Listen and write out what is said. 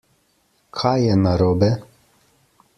Kaj je narobe?